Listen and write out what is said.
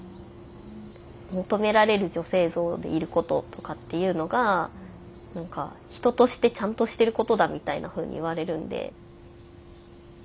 求められる女性像でいることとかっていうのが何か人としてちゃんとしてることだみたいなふうに言われるんで。